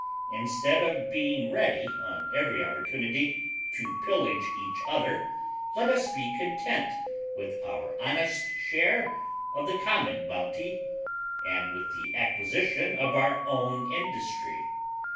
Instead of being ready, on every opportunity, to pillage each other, let us be content with our honest share of the common bounty, and with the acquisition of our own industry.